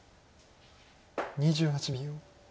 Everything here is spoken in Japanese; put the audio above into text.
２８秒。